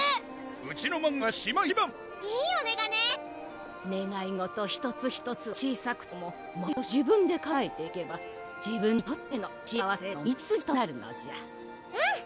うちのマンゴーが島一番！いいおねがいだねねがい事１つ１つは小さくとも毎年自分でかなえていけば自分にとっての幸せへの道筋となるのじゃうん！